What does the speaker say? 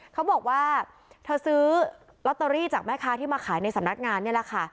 เขาบอกว่าเธอซื้อลอตเตอรี่จากแม่ค้าที่มาขายในสำนักงานนี่แหละค่ะ